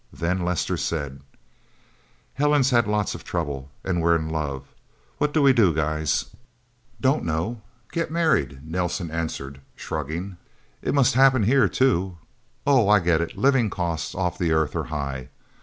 Then Lester said: "Helen's had lots of trouble. And we're in love. What do we do, guys?" "Dunno get married?" Nelsen answered, shrugging. "It must happen here, too. Oh, I get it living costs, off the Earth, are high.